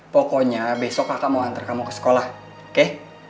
pokoknya besok kakak mau antar kamu ke sekolah oke